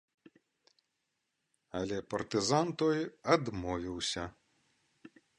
Але партызан той адмовіўся.